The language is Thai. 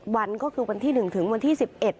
วันก็คือวันที่๑ถึงวันที่๑๑